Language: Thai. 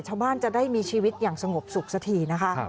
ชาวบ้านจะได้มีชีวิตอย่างสงบสุขสักทีนะคะ